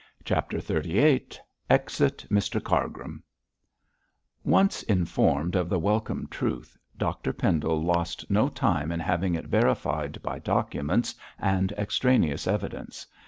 CHAPTER XXXVIII EXIT MR CARGRIM Once informed of the welcome truth, Dr Pendle lost no time in having it verified by documents and extraneous evidence.